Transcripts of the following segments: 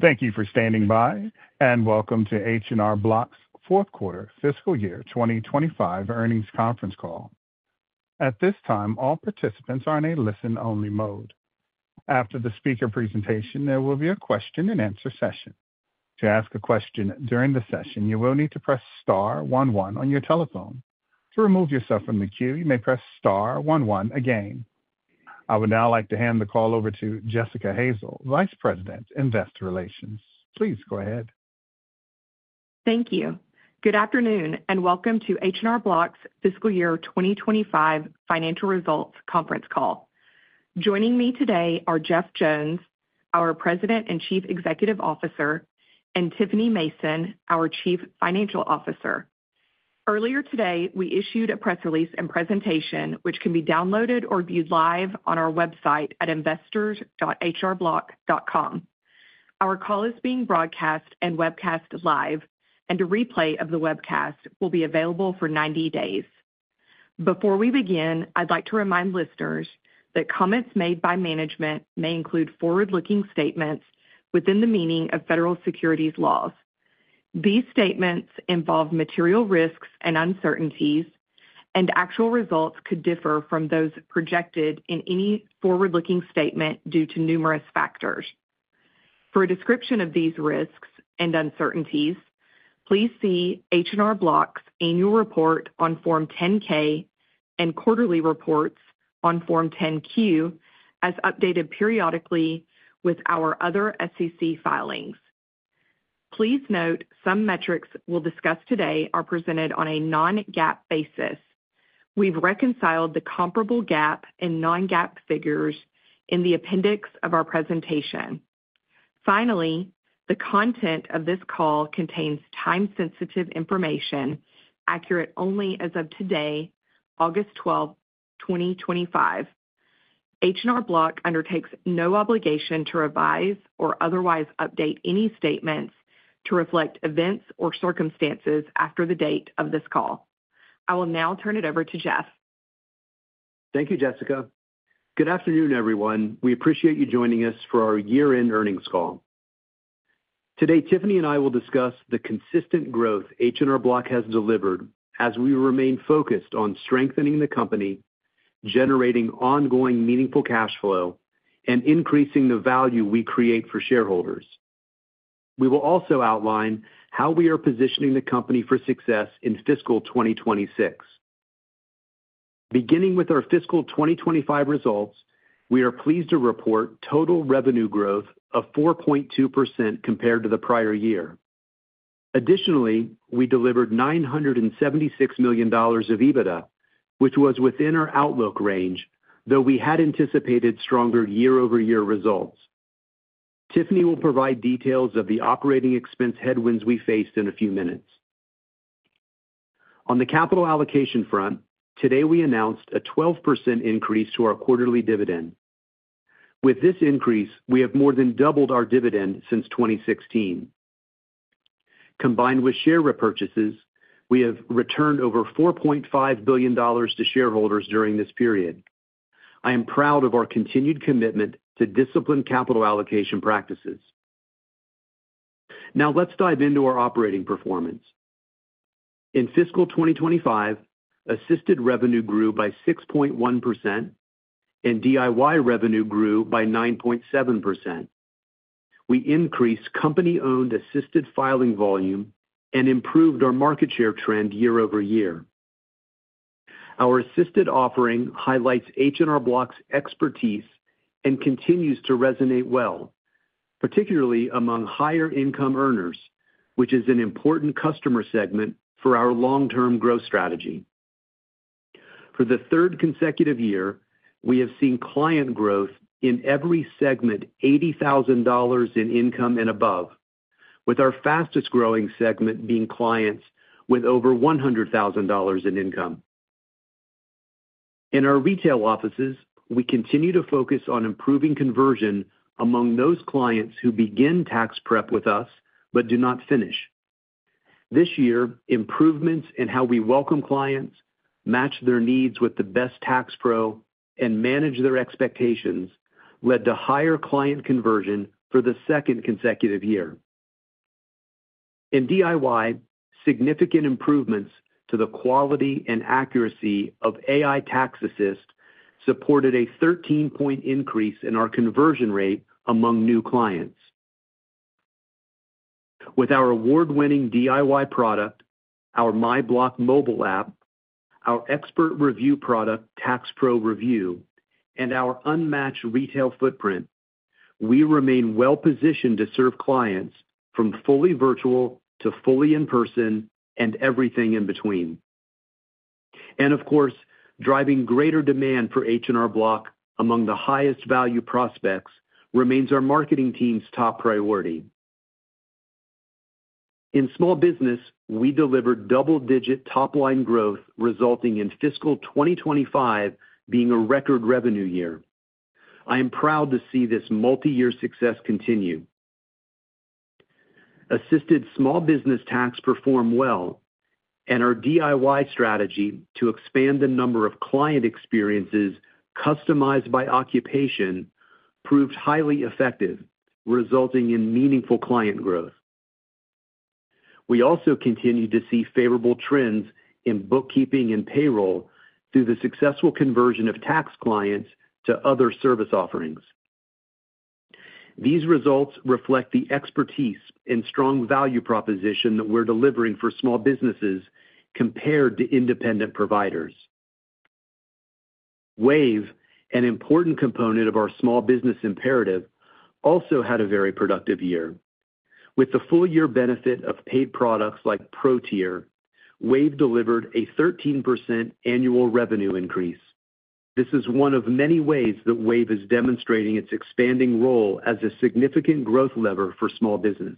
Thank you for standing by and welcome to H&R Block's Fourth Quarter Fiscal Year 2025 Earnings Conference Call. At this time, all participants are in a listen-only mode. After the speaker presentation, there will be a question-and-answer session. To ask a question during the session, you will need to press star one one on your telephone. To remove yourself from the queue, you may press star one one again. I would now like to hand the call over to Jessica Hazel, Vice President, Investor Relations. Please go ahead. Thank you. Good afternoon and welcome to H&R Block's Fiscal Year 2025 Financial Results Conference Call. Joining me today are Jeff Jones, our President and Chief Executive Officer, and Tiffany Mason, our Chief Financial Officer. Earlier today, we issued a press release and presentation, which can be downloaded or viewed live on our website at investors.hrblock.com. Our call is being broadcast and webcast live, and a replay of the webcast will be available for 90 days. Before we begin, I'd like to remind listeners that comments made by management may include forward-looking statements within the meaning of federal securities laws. These statements involve material risks and uncertainties, and actual results could differ from those projected in any forward-looking statement due to numerous factors. For a description of these risks and uncertainties, please see H&R Block's annual report on Form 10-K and quarterly reports on Form 10-Q as updated periodically with our other SEC filings. Please note some metrics we'll discuss today are presented on a non-GAAP basis. We've reconciled the comparable GAAP and non-GAAP figures in the appendix of our presentation. Finally, the content of this call contains time-sensitive information, accurate only as of today, August 12, 2025. H&R Block undertakes no obligation to revise or otherwise update any statements to reflect events or circumstances after the date of this call. I will now turn it over to Jeff. Thank you, Jessica. Good afternoon, everyone. We appreciate you joining us for our year-end earnings call. Today, Tiffany and I will discuss the consistent growth H&R Block has delivered as we remain focused on strengthening the company, generating ongoing meaningful cash flow, and increasing the value we create for shareholders. We will also outline how we are positioning the company for success in fiscal 2026. Beginning with our fiscal 2025 results, we are pleased to report total revenue growth of 4.2% compared to the prior year. Additionally, we delivered $976 million of EBITDA, which was within our outlook range, though we had anticipated stronger year-over-year results. Tiffany will provide details of the operating expense headwinds we faced in a few minutes. On the capital allocation front, today we announced a 12% increase to our quarterly dividend. With this increase, we have more than doubled our dividend since 2016. Combined with share repurchases, we have returned over $4.5 billion to shareholders during this period. I am proud of our continued commitment to disciplined capital allocation practices. Now, let's dive into our operating performance. In fiscal 2025, Assisted revenue grew by 6.1% and DIY revenue grew by 9.7%. We increased company-owned Assisted filing volume and improved our market share trend year-over-year. Our Assisted offering highlights H&R Block's expertise and continues to resonate well, particularly among higher income earners, which is an important customer segment for our long-term growth strategy. For the third consecutive year, we have seen client growth in every segment $80,000 in income and above, with our fastest growing segment being clients with over $100,000 in income. In our retail offices, we continue to focus on improving conversion among those clients who begin tax prep with us but do not finish. This year, improvements in how we welcome clients, match their needs with the best tax pro, and manage their expectations led to higher client conversion for the second consecutive year. In DIY, significant improvements to the quality and accuracy of AI Tax Assist supported a 13-point increase in our conversion rate among new clients. With our award-winning DIY product, our MyBlock mobile app, our expert review product, TaxPro Review, and our unmatched retail footprint, we remain well-positioned to serve clients from fully virtual to fully in-person and everything in between. Driving greater demand for H&R Block among the highest value prospects remains our marketing team's top priority. In small business, we delivered double-digit top-line growth, resulting in fiscal 2025 being a record revenue year. I am proud to see this multi-year success continue. Assisted small business tax performed well, and our DIY strategy to expand the number of client experiences customized by occupation proved highly effective, resulting in meaningful client growth. We also continue to see favorable trends in bookkeeping and payroll through the successful conversion of tax clients to other service offerings. These results reflect the expertise and strong value proposition that we're delivering for small businesses compared to independent providers. Wave, an important component of our small business imperative, also had a very productive year. With the full-year benefit of paid products like Pro-Tier, Wave delivered a 13% annual revenue increase. This is one of many ways that Wave is demonstrating its expanding role as a significant growth lever for small business.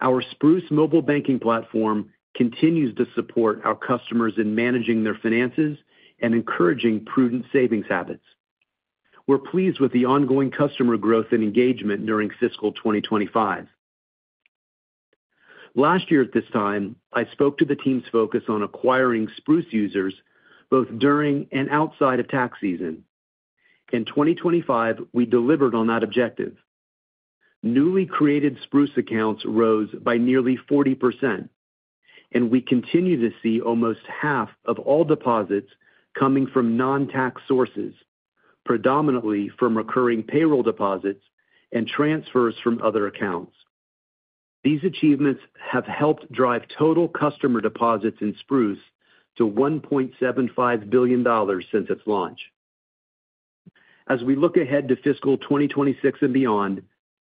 Our Spruce mobile banking platform continues to support our customers in managing their finances and encouraging prudent savings habits. We're pleased with the ongoing customer growth and engagement during fiscal 2025. Last year at this time, I spoke to the team's focus on acquiring Spruce users both during and outside of tax season. In 2025, we delivered on that objective. Newly created Spruce accounts rose by nearly 40%, and we continue to see almost half of all deposits coming from non-tax sources, predominantly from recurring payroll deposits and transfers from other accounts. These achievements have helped drive total customer deposits in Spruce to $1.75 billion since its launch. As we look ahead to fiscal 2026 and beyond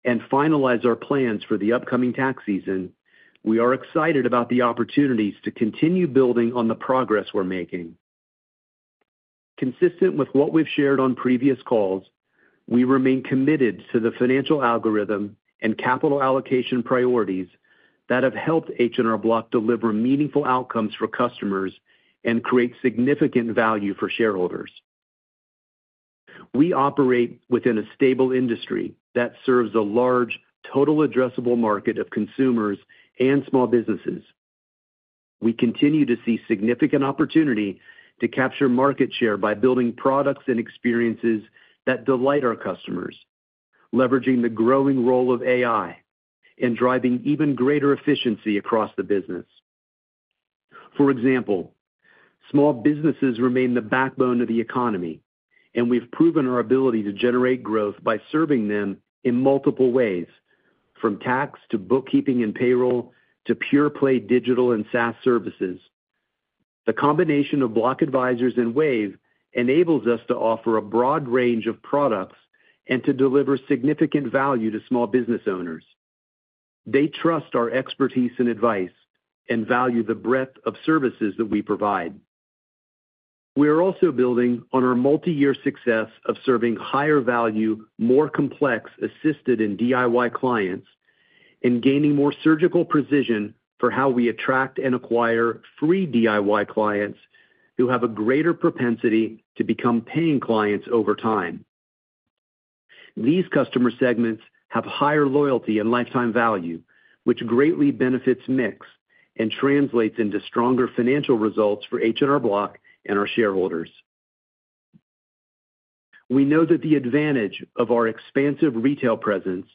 and finalize our plans for the upcoming tax season, we are excited about the opportunities to continue building on the progress we're making. Consistent with what we've shared on previous calls, we remain committed to the financial algorithm and capital allocation priorities that have helped H&R Block deliver meaningful outcomes for customers and create significant value for shareholders. We operate within a stable industry that serves a large total addressable market of consumers and small businesses. We continue to see significant opportunity to capture market share by building products and experiences that delight our customers, leveraging the growing role of AI and driving even greater efficiency across the business. For example, small businesses remain the backbone of the economy, and we've proven our ability to generate growth by serving them in multiple ways, from tax to bookkeeping and payroll to pure-play digital and SaaS services. The combination of Block Advisors and Wave enables us to offer a broad range of products and to deliver significant value to small business owners. They trust our expertise and advice and value the breadth of services that we provide. We are also building on our multi-year success of serving higher value, more complex Assisted and DIY clients and gaining more surgical precision for how we attract and acquire free DIY clients who have a greater propensity to become paying clients over time. These customer segments have higher loyalty and lifetime value, which greatly benefits mix and translates into stronger financial results for H&R Block and our shareholders. We know that the advantage of our expansive retail presence,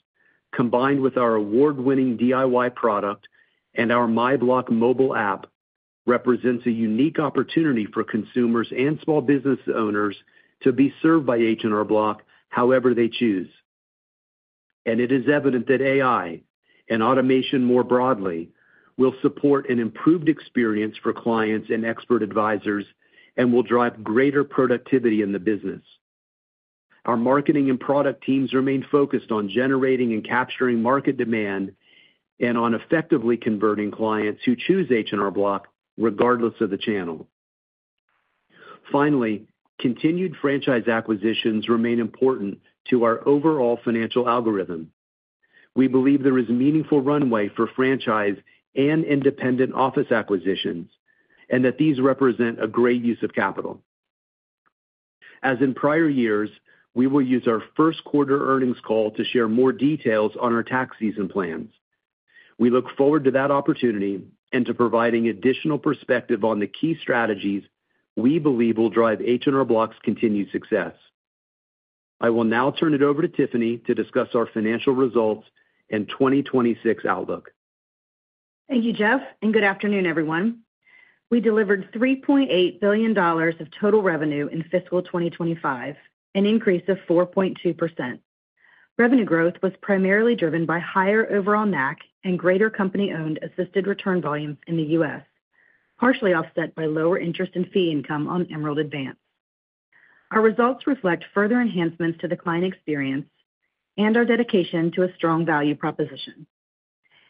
combined with our award-winning DIY product and our MyBlock mobile app, represents a unique opportunity for consumers and small business owners to be served by H&R Block however they choose. It is evident that AI and automation more broadly will support an improved experience for clients and expert advisors and will drive greater productivity in the business. Our marketing and product teams remain focused on generating and capturing market demand and on effectively converting clients who choose H&R Block, regardless of the channel. Finally, continued franchise acquisitions remain important to our overall financial algorithm. We believe there is meaningful runway for franchise and independent office acquisitions and that these represent a great use of capital. As in prior years, we will use our first quarter earnings call to share more details on our tax season plans. We look forward to that opportunity and to providing additional perspective on the key strategies we believe will drive H&R Block's continued success. I will now turn it over to Tiffany to discuss our financial results and 2026 outlook. Thank you, Jeff, and good afternoon, everyone. We delivered $3.8 billion of total revenue in fiscal 2025, an increase of 4.2%. Revenue growth was primarily driven by higher overall NAC and greater company-owned Assisted return volume in the U.S., partially offset by lower interest and fee income on Emerald Advance. Our results reflect further enhancements to the client experience and our dedication to a strong value proposition.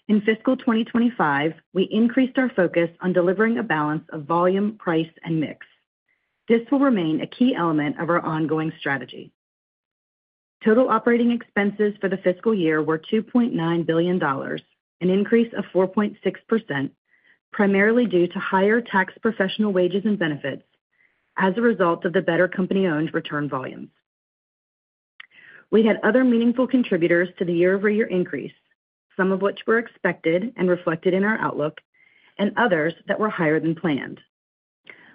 In fiscal 2025, we increased our focus on delivering a balance of volume, price, and mix. This will remain a key element of our ongoing strategy. Total operating expenses for the fiscal year were $2.9 billion, an increase of 4.6%, primarily due to higher tax professional wages and benefits as a result of the better company-owned return volumes. We had other meaningful contributors to the year-over-year increase, some of which were expected and reflected in our outlook, and others that were higher than planned.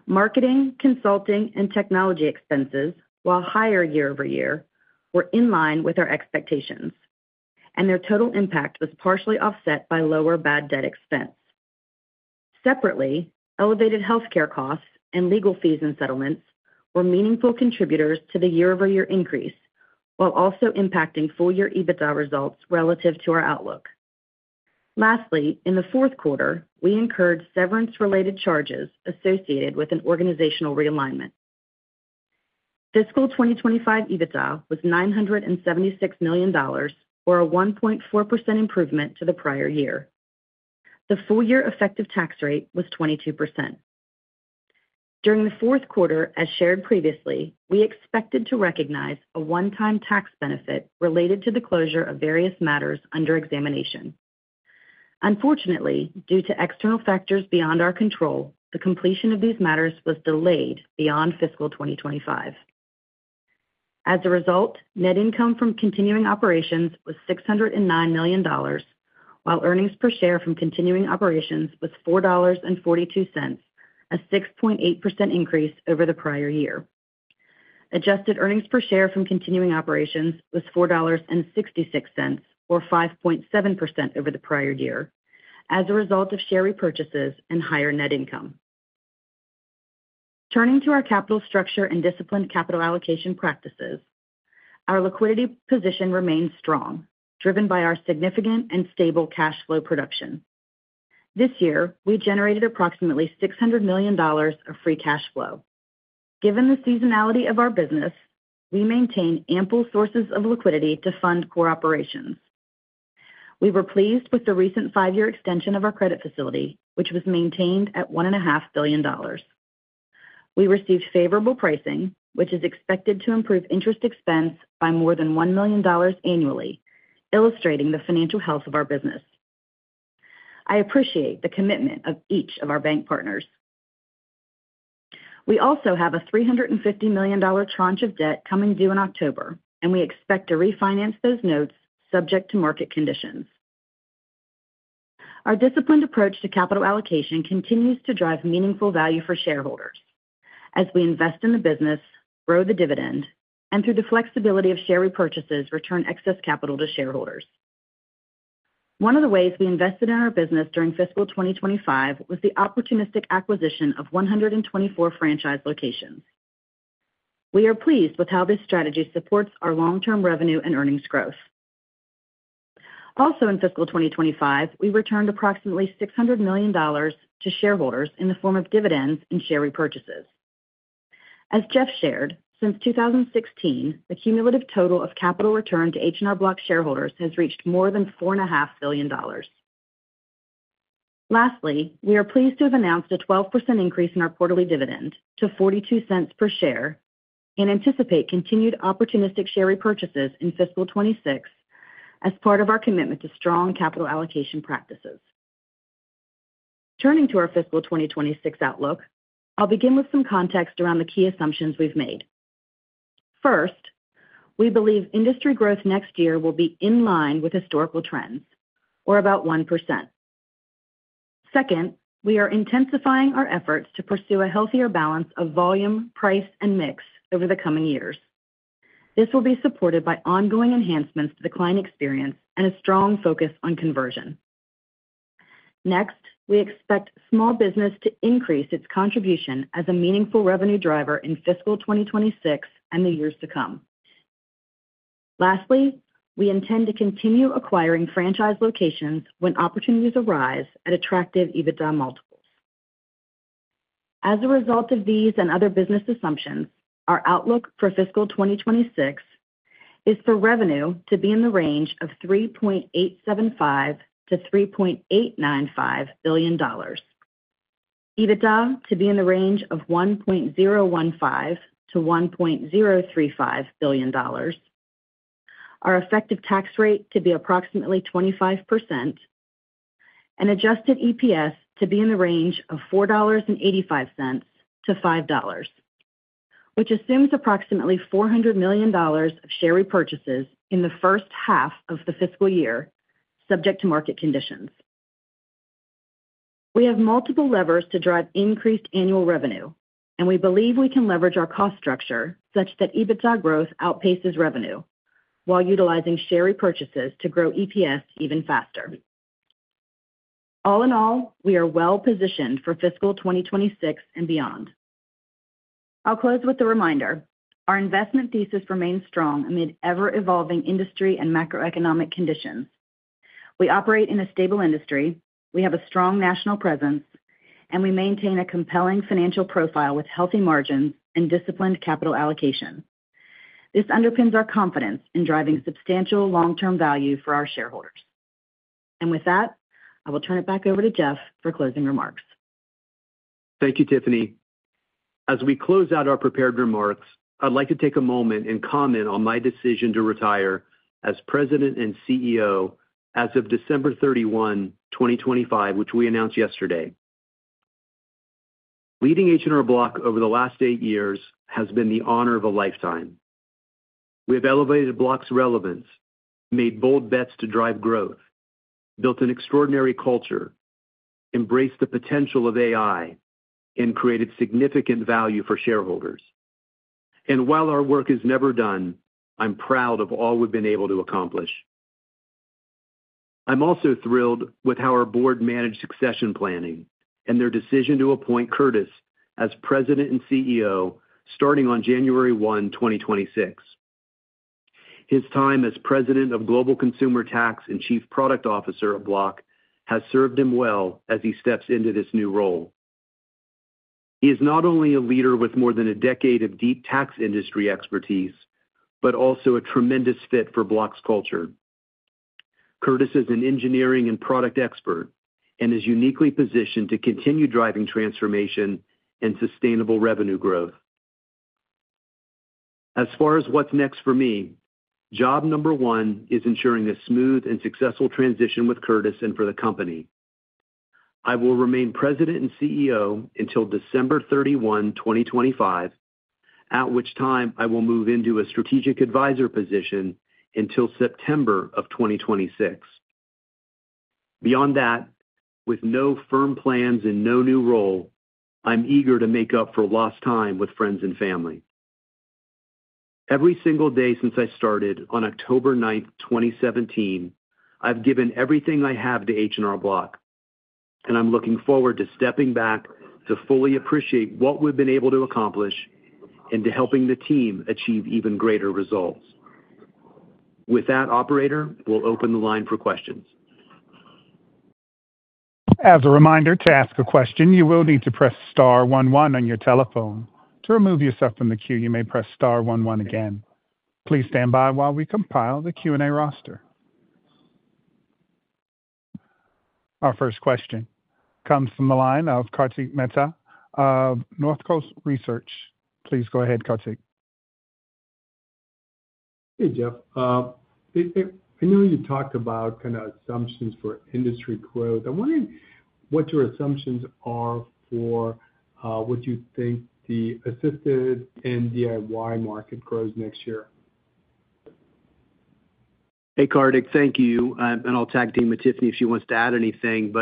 Marketing, consulting, and technology expenses, while higher year-over-year, were in line with our expectations, and their total impact was partially offset by lower bad debt expense. Separately, elevated healthcare costs and legal fees and settlements were meaningful contributors to the year-over-year increase, while also impacting full-year EBITDA results relative to our outlook. Lastly, in the fourth quarter, we incurred severance-related charges associated with an organizational realignment. Fiscal 2025 EBITDA was $976 million, or a 1.4% improvement to the prior year. The full-year effective tax rate was 22%. During the fourth quarter, as shared previously, we expected to recognize a one-time tax benefit related to the closure of various matters under examination. Unfortunately, due to external factors beyond our control, the completion of these matters was delayed beyond fiscal 2025. As a result, net income from continuing operations was $609 million, while earnings per share from continuing operations was $4.42, a 6.8% increase over the prior year. Adjusted earnings per share from continuing operations was $4.66, or 5.7% over the prior year, as a result of share repurchases and higher net income. Turning to our capital structure and disciplined capital allocation practices, our liquidity position remains strong, driven by our significant and stable cash flow production. This year, we generated approximately $600 million of free cash flow. Given the seasonality of our business, we maintain ample sources of liquidity to fund core operations. We were pleased with the recent five-year extension of our credit facility, which was maintained at $1.5 billion. We received favorable pricing, which is expected to improve interest expense by more than $1 million annually, illustrating the financial health of our business. I appreciate the commitment of each of our bank partners. We also have a $350 million tranche of debt coming due in October, and we expect to refinance those notes subject to market conditions. Our disciplined approach to capital allocation continues to drive meaningful value for shareholders as we invest in the business, grow the dividend, and through the flexibility of share repurchases, return excess capital to shareholders. One of the ways we invested in our business during fiscal 2025 was the opportunistic acquisition of 124 franchise locations. We are pleased with how this strategy supports our long-term revenue and earnings growth. Also, in fiscal 2025, we returned approximately $600 million to shareholders in the form of dividends and share repurchases. As Jeff shared, since 2016, the cumulative total of capital return to H&R Block shareholders has reached more than $4.5 billion. Lastly, we are pleased to have announced a 12% increase in our quarterly dividend to $0.42 per share and anticipate continued opportunistic share repurchases in fiscal 2026 as part of our commitment to strong capital allocation practices. Turning to our fiscal 2026 outlook, I'll begin with some context around the key assumptions we've made. First, we believe industry growth next year will be in line with historical trends, or about 1%. Second, we are intensifying our efforts to pursue a healthier balance of volume, price, and mix over the coming years. This will be supported by ongoing enhancements to the client experience and a strong focus on conversion. Next, we expect small business to increase its contribution as a meaningful revenue driver in fiscal 2026 and the years to come. Lastly, we intend to continue acquiring franchise locations when opportunities arise at attractive EBITDA multiple. As a result of these and other business assumptions, our outlook for fiscal 2026 is for revenue to be in the range of $3.875 billion-$3.895 billion, EBITDA to be in the range of $1.015 billion-$1.035 billion, our effective tax rate to be approximately 25%, and adjusted EPS to be in the range of $4.85-$5, which assumes approximately $400 million of share repurchases in the first half of the fiscal year subject to market conditions. We have multiple levers to drive increased annual revenue, and we believe we can leverage our cost structure such that EBITDA growth outpaces revenue while utilizing share repurchases to grow EPS even faster. All in all, we are well-positioned for fiscal 2026 and beyond. I'll close with a reminder. Our investment thesis remains strong amid ever-evolving industry and macroeconomic conditions. We operate in a stable industry, we have a strong national presence, and we maintain a compelling financial profile with healthy margins and disciplined capital allocation. This underpins our confidence in driving substantial long-term value for our shareholders. I will turn it back over to Jeff for closing remarks. Thank you, Tiffany. As we close out our prepared remarks, I'd like to take a moment and comment on my decision to retire as President and CEO as of December 31, 2025, which we announced yesterday. Leading H&R Block over the last eight years has been the honor of a lifetime. We have elevated Block's relevance, made bold bets to drive growth, built an extraordinary culture, embraced the potential of AI, and created significant value for shareholders. While our work is never done, I'm proud of all we've been able to accomplish. I'm also thrilled with how our Board managed succession planning and their decision to appoint Curtis as President and CEO starting on January 1, 2026. His time as President of Global Consumer Tax and Chief Product Officer of Block has served him well as he steps into this new role. He is not only a leader with more than a decade of deep tax industry expertise, but also a tremendous fit for Block's culture. Curtis is an engineering and product expert and is uniquely positioned to continue driving transformation and sustainable revenue growth. As far as what's next for me, job number one is ensuring a smooth and successful transition with Curtis and for the company. I will remain President and CEO until December 31, 2025, at which time I will move into a strategic advisor position until September of 2026. Beyond that, with no firm plans and no new role, I'm eager to make up for lost time with friends and family. Every single day since I started on October 9th, 2017, I've given everything I have to H&R Block, and I'm looking forward to stepping back to fully appreciate what we've been able to accomplish and to helping the team achieve even greater results. With that, operator, we'll open the line for questions. As a reminder, to ask a question, you will need to press star one one on your telephone. To remove yourself from the queue, you may press star one one again. Please stand by while we compile the Q&A roster. Our first question comes from the line of Kartik Mehta of Northcoast Research Partners. Please go ahead, Kartik. Hey, Jeff. I know you talked about kind of assumptions for industry growth. I'm wondering what your assumptions are for what you think the Assisted and DIY market grows next year. Hey, Kartik. Thank you. I'll tag team with Tiffany if she wants to add anything.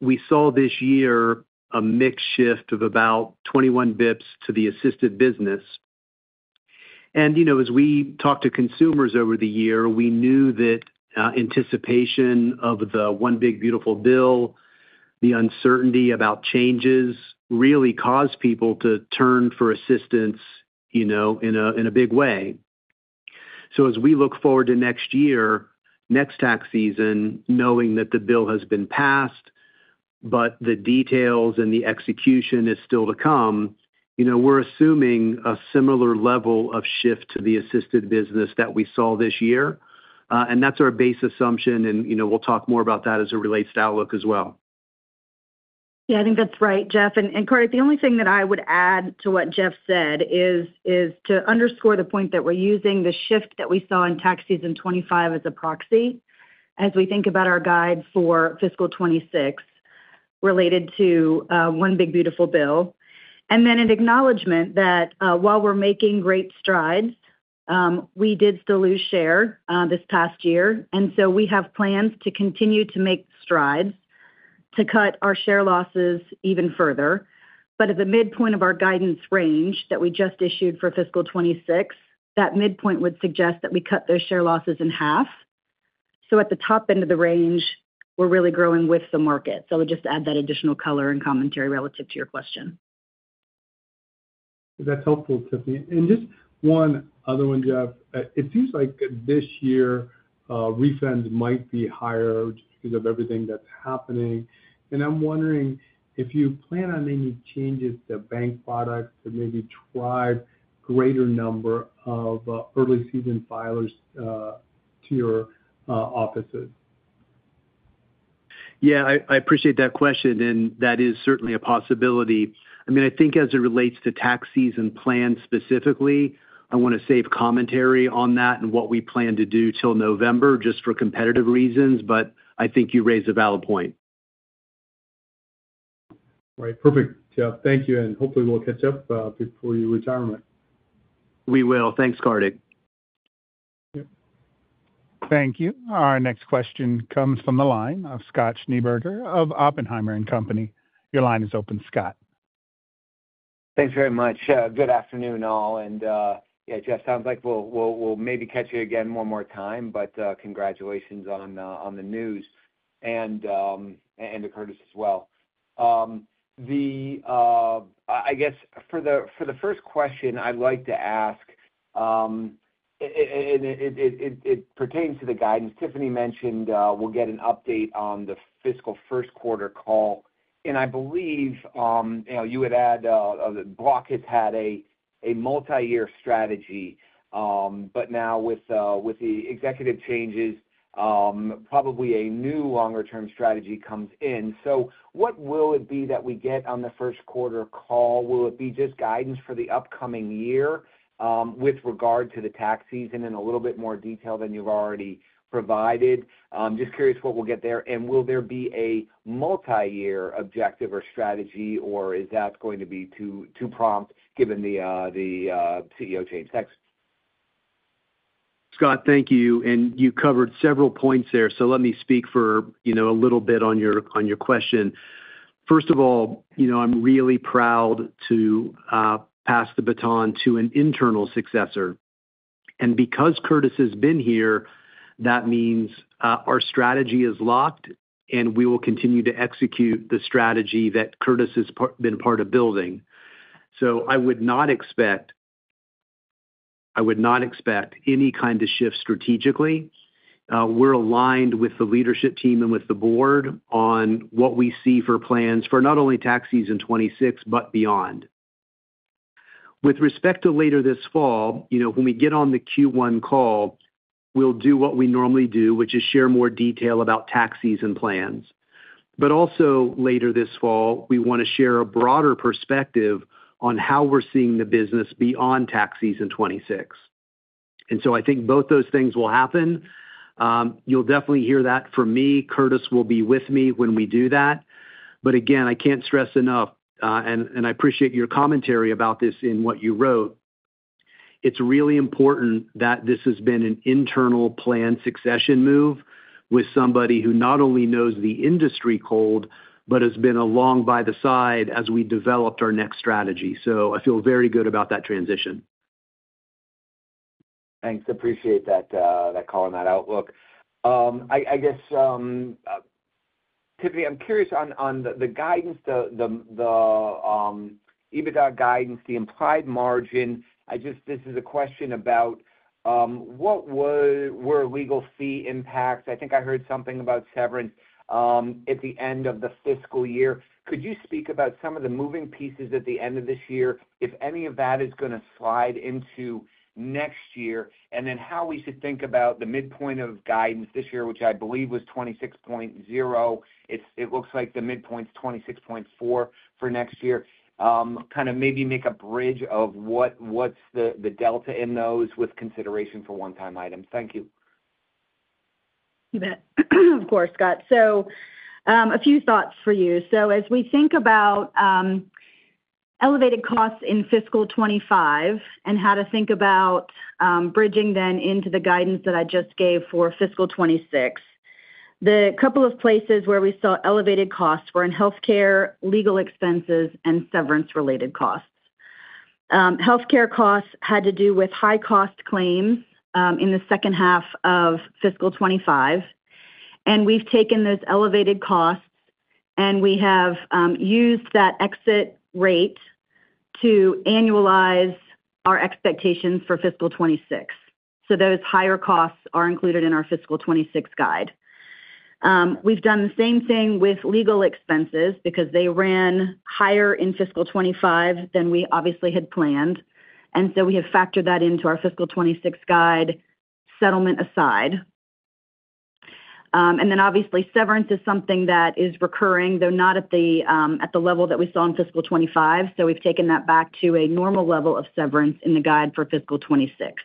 We saw this year a mixed shift of about 21 basis points to the Assisted business. As we talked to consumers over the year, we knew that anticipation of the One Big Beautiful Bill, the uncertainty about changes really caused people to turn for assistance in a big way. As we look forward to next year, next tax season, knowing that the bill has been passed, but the details and the execution are still to come, we're assuming a similar level of shift to the Assisted business that we saw this year. That's our base assumption. We'll talk more about that as it relates to outlook as well. Yeah, I think that's right, Jeff. Kartik, the only thing that I would add to what Jeff said is to underscore the point that we're using the shift that we saw in tax season 2025 as a proxy as we think about our guide for fiscal 2026 related to One Big Beautiful Bill. An acknowledgment that while we're making great strides, we did still lose share this past year. We have plans to continue to make strides to cut our share losses even further. At the midpoint of our guidance range that we just issued for fiscal 2026, that midpoint would suggest that we cut those share losses in half. At the top end of the range, we're really growing with the market. I would just add that additional color and commentary relative to your question. That's helpful, Tiffany. Just one other one, Jeff. It seems like this year refunds might be higher because of everything that's happening. I'm wondering if you plan on making changes to bank products that maybe drive a greater number of early-season filers to your offices. I appreciate that question. That is certainly a possibility. I think as it relates to tax season plans specifically, I want to save commentary on that and what we plan to do till November just for competitive reasons. I think you raise a valid point. All right, perfect. Jeff, thank you. Hopefully we'll catch up before your retirement. Thank you, Kartik. Thank you. Our next question comes from the line of Scott Schneeberger of Oppenheimer & Company. Your line is open, Scott. Thanks very much. Good afternoon all. Jeff, sounds like we'll maybe catch you again one more time, but congratulations on the news and to Curtis as well. I guess for the first question, I'd like to ask, and it pertains to the guidance Tiffany mentioned, we'll get an update on the fiscal first quarter call. I believe you had added Block had had a multi-year strategy. Now with the executive changes, probably a new longer-term strategy comes in. What will it be that we get on the first quarter call? Will it be just guidance for the upcoming year with regard to the tax season in a little bit more detail than you've already provided? I'm just curious what we'll get there. Will there be a multi-year objective or strategy, or is that going to be too prompt given the CEO change? Thanks. Thank you. You covered several points there. Let me speak for a little bit on your question. First of all, I'm really proud to pass the baton to an internal successor. Because Curtis has been here, that means our strategy is locked and we will continue to execute the strategy that Curtis has been part of building. I would not expect any kind of shift strategically. We're aligned with the leadership team and with the board on what we see for plans for not only tax season 2026 but beyond. With respect to later this fall, when we get on the Q1 call, we'll do what we normally do, which is share more detail about tax season plans. Also later this fall, we want to share a broader perspective on how we're seeing the business beyond tax season 2026. I think both those things will happen. You'll definitely hear that from me. Curtis will be with me when we do that. I can't stress enough, and I appreciate your commentary about this in what you wrote. It's really important that this has been an internal plan succession move with somebody who not only knows the industry cold, but has been along by the side as we developed our next strategy. I feel very good about that transition. Thanks. I appreciate that call and that outlook. I guess, Tiffany, I'm curious on the guidance, the EBITDA guidance, the implied margin. This is a question about what were legal fee impacts. I think I heard something about severance at the end of the fiscal year. Could you speak about some of the moving pieces at the end of this year, if any of that is going to slide into next year, and then how we should think about the midpoint of guidance this year, which I believe was 26.0? It looks like the midpoint's 26.4 for next year. Maybe make a bridge of what's the delta in those with consideration for one-time items. Thank you. You bet. Of course, Scott. A few thoughts for you. As we think about elevated costs in fiscal 2025 and how to think about bridging then into the guidance that I just gave for fiscal 2026, the couple of places where we saw elevated costs were in healthcare, legal expenses, and severance-related costs. Healthcare costs had to do with high-cost claims in the second half of fiscal 2025. We've taken those elevated costs, and we have used that exit rate to annualize our expectations for fiscal 2026. Those higher costs are included in our fiscal 2026 guide. We've done the same thing with legal expenses because they ran higher in fiscal 2025 than we obviously had planned. We have factored that into our fiscal 2026 guide, settlement aside. Severance is something that is recurring, though not at the level that we saw in fiscal 2025. We've taken that back to a normal level of severance in the guide for fiscal 2026.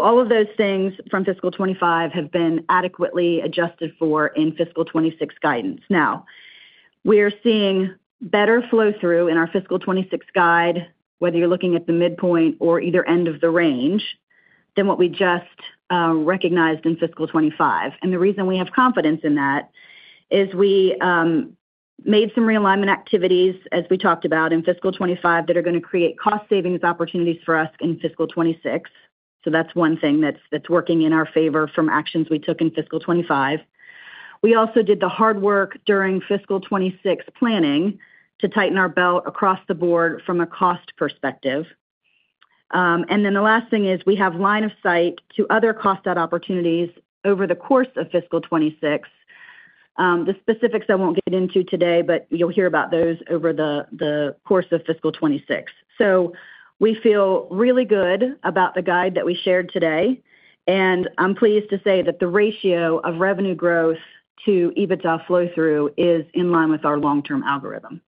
All of those things from fiscal 2025 have been adequately adjusted for in fiscal 2026 guidance. We are seeing better flow-through in our fiscal 2026 guide, whether you're looking at the midpoint or either end of the range than what we just recognized in fiscal 2025. The reason we have confidence in that is we made some realignment activities, as we talked about in fiscal 2025, that are going to create cost-savings opportunities for us in fiscal 2026. That's one thing that's working in our favor from actions we took in fiscal 2025. We also did the hard work during fiscal 2026 planning to tighten our belt across the board from a cost perspective. The last thing is we have line of sight to other cost-out opportunities over the course of fiscal 2026. The specifics I won't get into today, but you'll hear about those over the course of fiscal 2026. We feel really good about the guide that we shared today. I'm pleased to say that the ratio of revenue growth to EBITDA flow-through is in line with our long-term algorithm.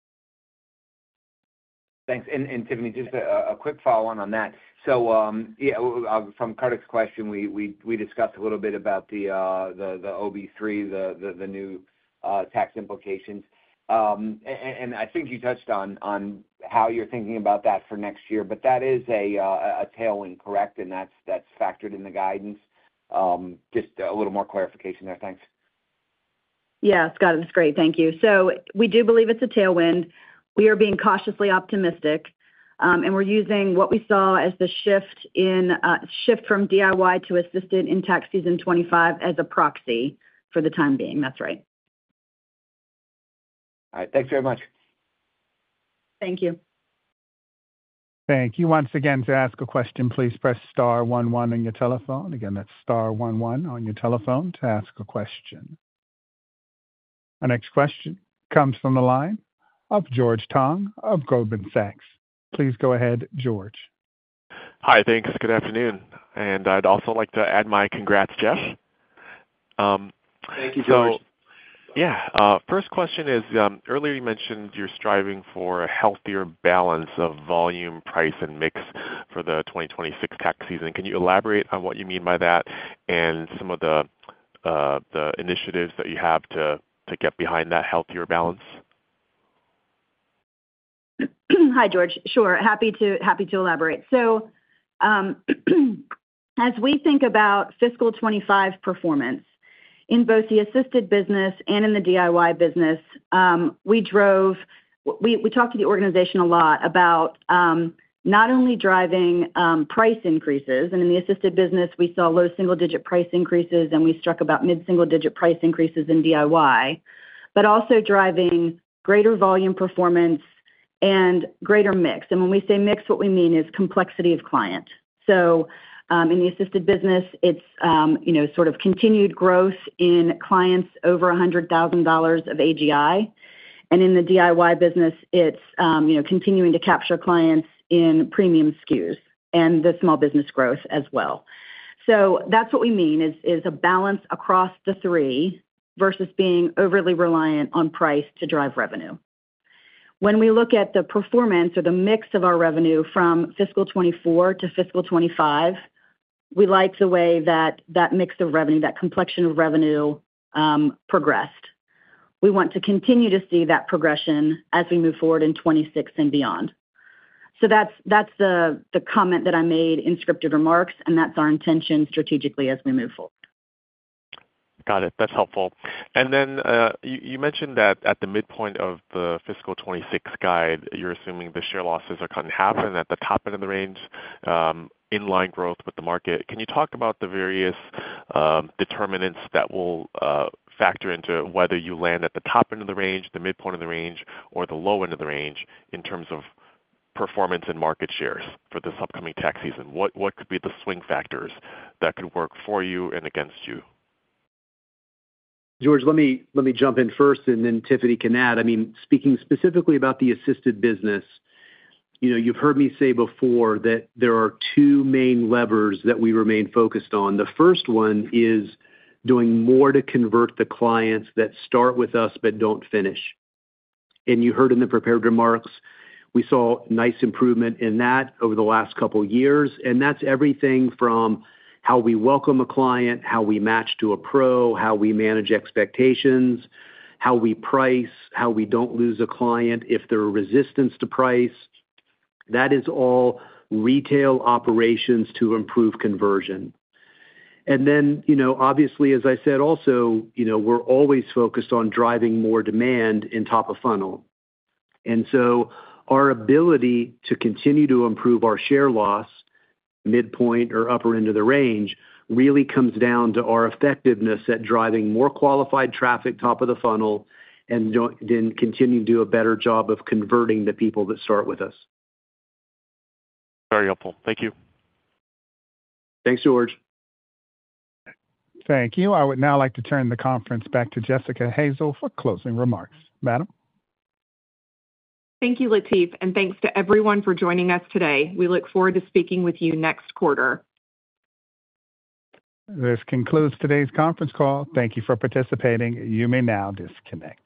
Thanks. Tiffany, just a quick follow-on on that. From Kartik's question, we discussed a little bit about the OB3, the new tax implications. I think you touched on how you're thinking about that for next year, but that is a tailwind, correct? That's factored in the guidance. Just a little more clarification there. Thanks. Yeah, Scott, that's great. Thank you. We do believe it's a tailwind. We are being cautiously optimistic, and we're using what we saw as the shift from DIY to Assisted in tax season 2025 as a proxy for the time being. That's right. All right, thanks very much. Thank you. Thank you. Once again, to ask a question, please press star one one on your telephone. Again, that's star one one on your telephone to ask a question. Our next question comes from the line of George Tong of Goldman Sachs. Please go ahead, George. Hi, thanks. Good afternoon. I'd also like to add my congrats, Jeff. Thank you, George. Yeah. First question is, earlier you mentioned you're striving for a healthier balance of volume, price, and mix for the 2026 tax season. Can you elaborate on what you mean by that and some of the initiatives that you have to get behind that healthier balance? Hi, George. Sure. Happy to elaborate. As we think about fiscal 2025 performance in both the Assisted business and in the DIY business, we talked to the organization a lot about not only driving price increases. In the Assisted business, we saw low single-digit price increases, and we struck about mid-single-digit price increases in DIY, but also driving greater volume performance and greater mix. When we say mix, what we mean is complexity of client. In the Assisted business, it's sort of continued growth in clients over $100,000 of AGI. In the DIY business, it's continuing to capture clients in premium SKUs and the small business growth as well. That's what we mean is a balance across the three versus being overly reliant on price to drive revenue. When we look at the performance or the mix of our revenue from fiscal 2024 to fiscal 2025, we like the way that mix of revenue, that complexion of revenue, progressed. We want to continue to see that progression as we move forward in 2026 and beyond. That's the comment that I made in scripted remarks, and that's our intention strategically as we move forward. Got it. That's helpful. You mentioned that at the midpoint of the fiscal 2026 guide, you're assuming the share losses are cut in half, and at the top end of the range, in line growth with the market. Can you talk about the various determinants that will factor into whether you land at the top end of the range, the midpoint of the range, or the low end of the range in terms of performance and market shares for this upcoming tax season? What could be the swing factors that could work for you and against you? George, let me jump in first and then Tiffany can add. Speaking specifically about the Assisted business, you've heard me say before that there are two main levers that we remain focused on. The first one is doing more to convert the clients that start with us but don't finish. You heard in the prepared remarks, we saw nice improvement in that over the last couple of years. That's everything from how we welcome a client, how we match to a pro, how we manage expectations, how we price, how we don't lose a client if there's resistance to price. That is all retail operations to improve conversion. Obviously, as I said, also, we're always focused on driving more demand in top of funnel. Our ability to continue to improve our share loss, midpoint or upper end of the range, really comes down to our effectiveness at driving more qualified traffic top of the funnel and then continuing to do a better job of converting the people that start with us. Very helpful. Thank you. Thanks, George. Thank you. I would now like to turn the conference back to Jessica Hazel for closing remarks. Madam. Thank you, Latif, and thanks to everyone for joining us today. We look forward to speaking with you next quarter. This concludes today's conference call. Thank you for participating. You may now disconnect.